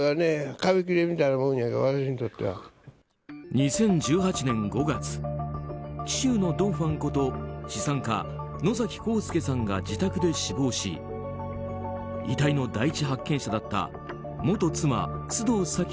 ２０１８年５月紀州のドン・ファンこと資産家・野崎幸助さんが自宅で死亡し遺体の第一発見者だった元妻・須藤早貴